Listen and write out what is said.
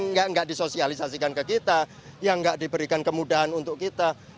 nggak nggak disosialisasikan ke kita yang nggak diberikan kemudahan untuk kita walaupun kita